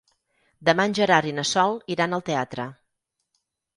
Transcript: Demà en Gerard i na Sol iran al teatre.